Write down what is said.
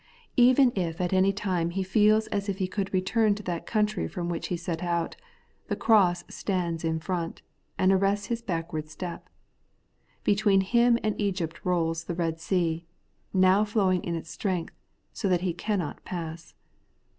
Even if at any time he feels as if he could return to that country from which he set out, the cross stands in front, and arrests his backward step. Between him and Egypt rolls the Eed Sea, now flowing in its strength, so that he cannot pass.